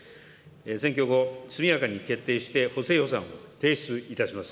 選挙後、速やかに決定して、補正予算を提出いたします。